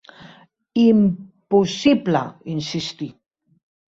"Im-possible!", insistí.